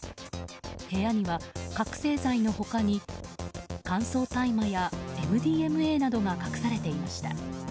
部屋には覚醒剤の他に乾燥大麻やＭＤＭＡなどが隠されていました。